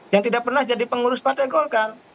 yang tidak pernah jadi pengurus partai golkar